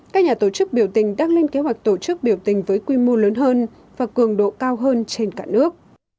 các nhà tổ chức biểu tình đang lên kế hoạch tổ chức biểu tình với quy mô lớn hơn và cường độ cao hơn trên cả nước